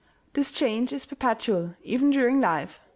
This change is perpetual, even during life.